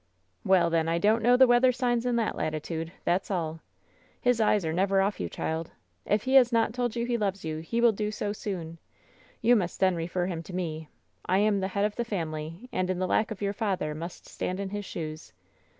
"Well, then I don't know the weather signs in that latitude 1 That's all. His eyes are never off you, child. If he has not told you he loves you, he will do so soon. You must then refer him to me. I am the head of the family, and in the lack of your father, must stand in his shoes.